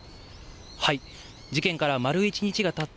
事件からまる１日がたった